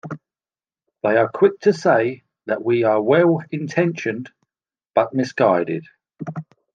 They are quick to say that we were well-intentioned, but misguided.